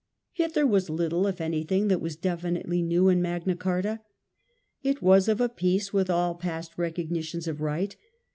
Yet there was little if anything that was definitely new in Magna Carta. It was of a piece with all past recog nitions of right.